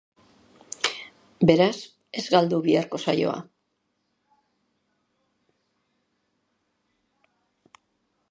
Beraz, ez galdu biharko saioa!